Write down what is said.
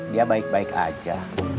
dia baik baik aja